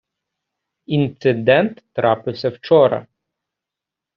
Інцидент трапився вчора.